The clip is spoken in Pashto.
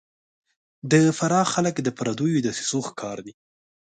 د فراه خلک د پردیو دسیسو ښکار دي